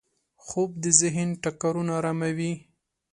خوب د ذهن ټکرونه اراموي